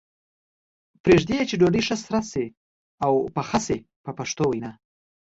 پرېږدي یې چې ډوډۍ ښه سره شي او پخه شي په پښتو وینا.